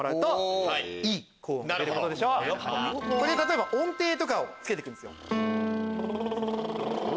例えば音程とかをつけてくんですよ。